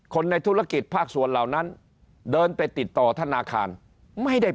คนในธุรกิจภาคส่วนเหล่านั้นเดินไปติดต่อธนาคารไม่ได้